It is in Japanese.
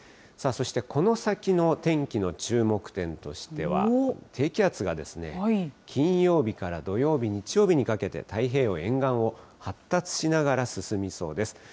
そして、この先の天気の注目点としては、低気圧が、金曜日から土曜日、日曜日にかけて、太平洋沿岸を発達しながら進みそうです。